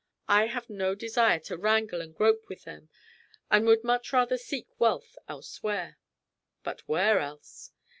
I have no desire to wrangle and grope with them, and would much rather seek wealth elsewhere." "But where else?"